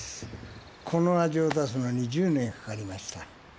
この味を出すのに１０年かかりました。